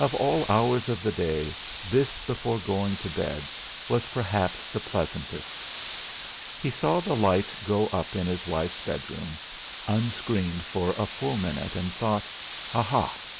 Of all hours of the day, this before going to bed was perhaps the pleasantest. He saw the light go up in his wife's bed room, unscreened for a full minute, and thought: 'Aha!